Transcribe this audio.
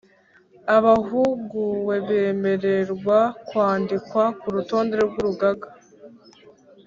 Abahuguwe bemererwa kwandikwa ku rutonde rw’ Urugaga